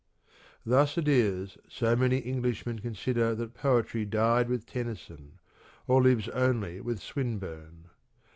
Thus it is so many Englishmen consider that Poetry died with Tennyson or lives only with Swinburne.